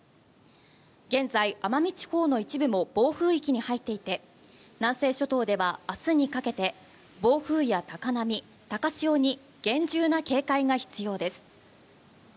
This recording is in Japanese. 現在奄美地方の一部も暴風域に入っていて南西諸島ではあすにかけて暴風や高波、高潮に厳重な警戒が必要です